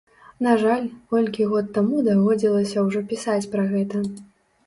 На жаль, колькі год таму даводзілася ўжо пісаць пра гэта.